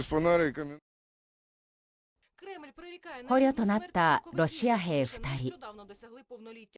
捕虜となったロシア兵２人。